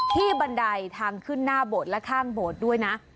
ที่บันไดทางขึ้นหน้าบทและข้างบทด้วยนะ